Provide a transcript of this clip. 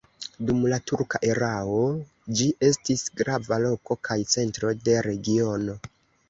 Dum la turka erao ĝi estis grava loko kaj centro de regiono.